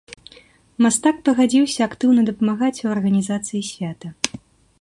Мастак пагадзіўся актыўна дапамагаць ў арганізацыі свята.